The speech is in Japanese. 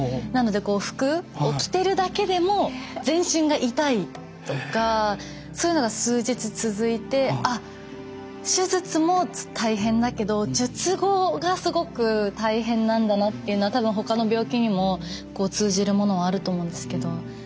なので服を着てるだけでも全身が痛いとかそういうのが数日続いてあっ手術も大変だけど術後がすごく大変なんだなっていうのは多分ほかの病気にも通じるものはあると思うんですけど。